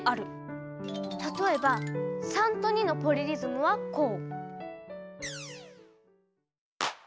例えば３と２のポリリズムはこう。